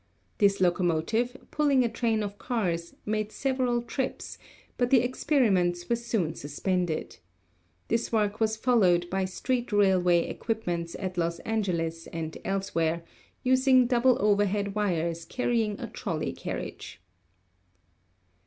This locomotive, pulling a train of cars, made several trips, but the experiments were soon suspended. This work was followed by street railway equipments at Los Angeles and elsewhere, using double overhead wires carrying a trolley carriage.